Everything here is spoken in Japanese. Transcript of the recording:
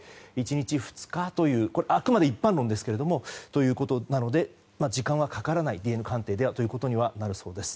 １日、２日というあくまで一般論ですけどということなので時間はかからないＤＮＡ鑑定では、ということにはなるそうです。